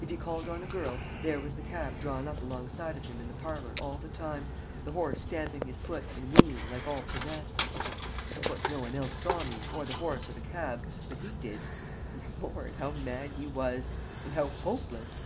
If he called on a girl, there was the cab drawn up alongside of him in the parlor all the time, the horse stamping his foot and whinnying like all possessed. Of course no one else saw me or the horse or the cab, but he did and, Lord! how mad he was, and how hopeless!